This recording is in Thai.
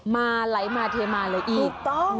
มาไลมาเทมาเลยอีก